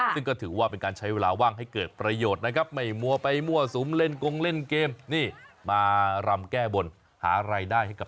ซึ่งก็ถือว่าเป็นการใช้เวลาว่างให้เกิดประโยชน์นะครับ